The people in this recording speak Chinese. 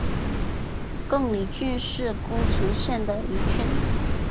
亘理郡是宫城县的一郡。